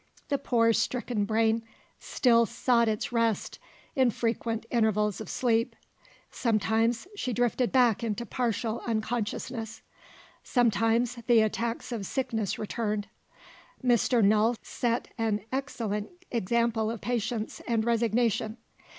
The poor stricken brain still sought its rest in frequent intervals of sleep. Sometimes, she drifted back into partial unconsciousness; sometimes, the attacks of sickness returned. Mr. Null set an excellent example of patience and resignation.